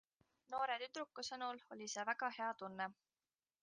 Noore tüdruku sõnul oli see väga hea tunne.